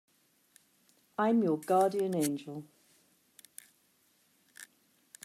I'm your guardian angel.